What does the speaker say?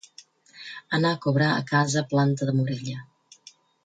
Anar a cobrar a casa Planta de Morella.